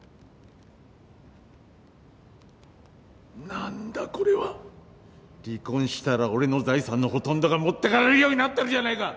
何だこれは。離婚したら俺の財産のほとんどが持ってかれるようになってるじゃないか！